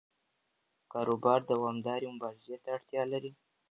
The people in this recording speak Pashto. کاروبار دوامدارې مبارزې ته اړتیا لري.